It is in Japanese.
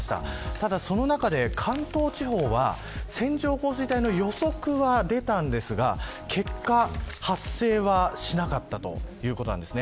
ただその中で、関東地方は線状降水帯の予測は出たんですが結果、発生はしなかったということです。